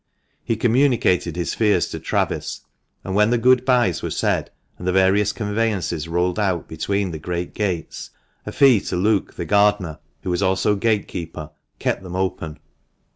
He communicated his fears to Travis, and when the good byes were said, and the various conveyances rolled out between the great gates, a fee to Luke the gardener, who was also gatekeeper, kept them open.